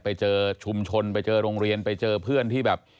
ไปเจอชุมชนไปเจอโรงเรียนไปเจอเพื่อนที่แบบ